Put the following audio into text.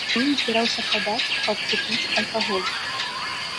Яго ён збіраўся прадаць, каб купіць алкаголь.